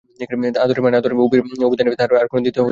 আদরের মানে আদর, অভিধানে তাহার আর কোনো দ্বিতীয় মানে লেখে না।